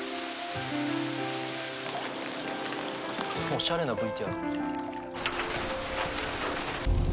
おしゃれなＶＴＲ。